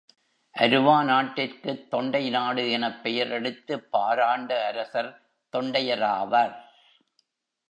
அருவா நாட்டிற்குத் தொண்டை நாடு எனப் பெயரளித்துப் பாராண்ட அரசர் தொண்டையராவர்.